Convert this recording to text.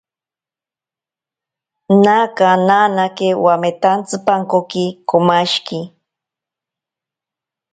Naka nanake wametantsipankoki komashiki.